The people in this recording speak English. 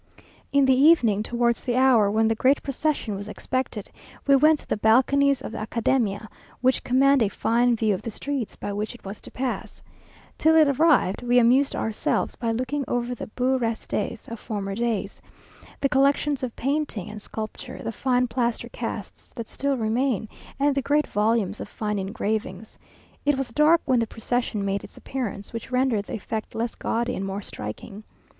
In the evening, towards the hour when the great procession was expected, we went to the balconies of the Academia, which command a fine view of the streets by which it was to pass. Till it arrived we amused ourselves by looking over the beaux restes of former days, the collections of painting and sculpture, the fine plaster casts that still remain, and the great volumes of fine engravings. It was dark when the procession made its appearance, which rendered the effect less gaudy and more striking.